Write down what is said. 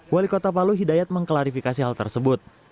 wali kota palu hidayat mengklarifikasi hal tersebut